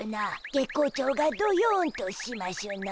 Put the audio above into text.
月光町がどよんとしましゅな。